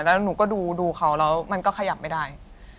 แล้วหนูก็ดูเขาแล้วมันก็ขยับไม่ได้